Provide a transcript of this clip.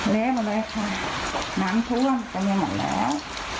เละหมดแล้วค่ะน้ำท่วงเต็มเยอะหมดแล้ว